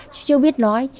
cháu chưa biết nói